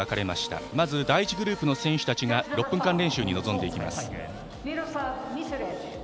まず第１グループの選手たちが６分間練習に臨んでいきます。